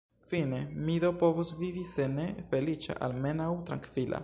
Fine mi do povos vivi se ne feliĉa, almenaŭ trankvila.